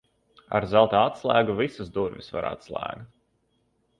Ar zelta atslēgu visas durvis var atslēgt.